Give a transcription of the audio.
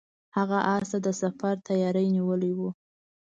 هغه اس ته د سفر تیاری نیولی و.